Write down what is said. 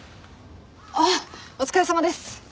あっお疲れさまです。